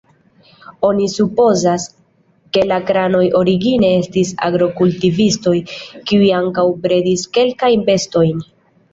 Oni supozas, ke la kranoj origine estis agrokultivistoj, kiuj ankaŭ bredis kelkajn bestojn.